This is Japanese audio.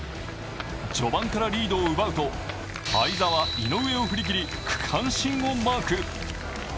序盤からリードを奪うと、相澤、井上を振り切り区間新をマーク。